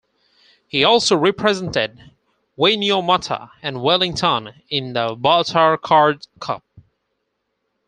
He also represented Wainuiomata and Wellington in the Bartercard Cup.